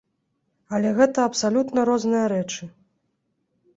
Але гэта абсалютна розныя рэчы.